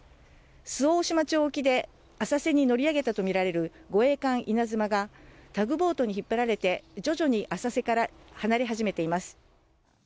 周防大島沖で浅瀬に乗り上げたとみられる護衛艦「いなづま」がタグボートに引っ張られて徐々に浅瀬から離れ始めています。